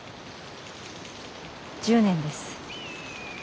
１０年です。